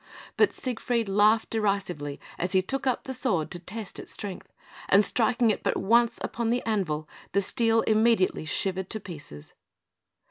But Siegfried laughed derisively as he took up the sword to test its strength; and striking it but once upon the anvil, the steel immediately shivered to pieces.